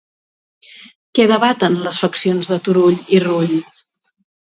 Què debaten les faccions de Turull i Rull?